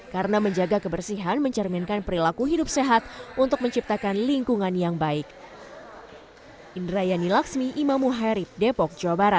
karena menjaga kebersihan mencerminkan perilaku hidup sehat untuk menciptakan lingkungan yang baik